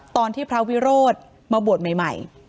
ตอนที่พระวิโรธมาบวชใหม่